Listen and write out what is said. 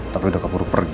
tapi udah kabur buru pergi